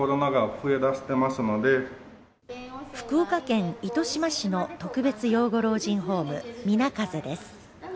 福岡県糸島市の特別養護老人ホーム、みなかぜです。